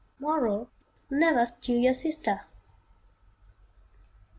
Moral: Never stew your sister.